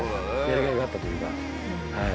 やりがいがあったというか。